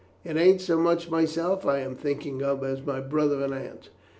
"It isn't so much myself I am thinking of as my brother and aunt.